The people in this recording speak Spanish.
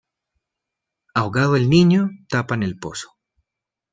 Ahogado el niño, tapan el pozo.